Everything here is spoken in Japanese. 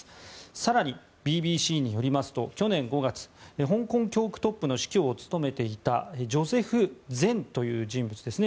更に、ＢＢＣによりますと去年５月香港教区トップの司教を務めていたジョセフ・ゼンという人物ですね